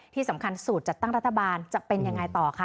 ที่สำคัญสูตรจัดตั้งรัฐบาลจะเป็นยังไงต่อคะ